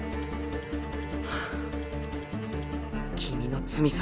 はぁ君の罪さ。